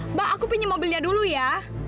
mbak aku punya mobilnya dulu ya